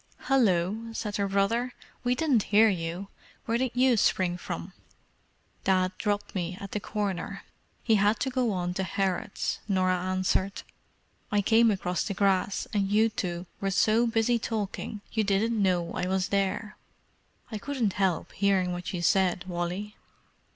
"Hallo!" said her brother. "We didn't hear you—where did you spring from?" "Dad dropped me at the Corner—he had to go on to Harrods," Norah answered. "I came across the grass, and you two were so busy talking you didn't know I was there. I couldn't help hearing what you said, Wally."